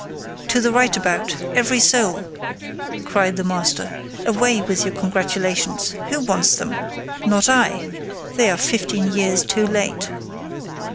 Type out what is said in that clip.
"To the right about—every soul!" cried the master; "away with your congratulations! Who wants them? Not I!—they are fifteen years too late!"